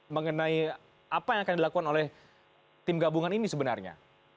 mengenai apa yang akan dilakukan oleh tim gabungan ini sebenarnya